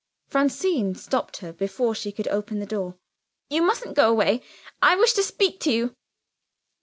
Francine stopped her before she could open the door. "You mustn't go away; I wish to speak to you."